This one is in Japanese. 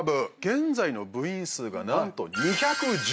現在の部員数が何と２１１人。